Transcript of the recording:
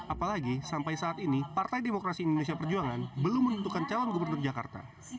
apalagi sampai saat ini partai demokrasi indonesia perjuangan belum menentukan calon gubernur jakarta